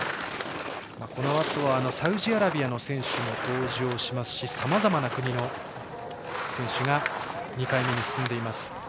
このあとはサウジアラビアの選手も登場しますしさまざまな国の選手が２回目に進んでいます。